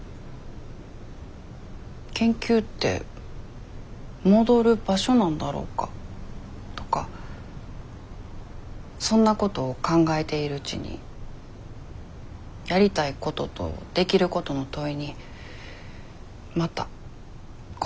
研究って戻る場所なんだろうかとかそんなことを考えているうちにやりたいこととできることの問いにまた答えを出せなくなってしまって。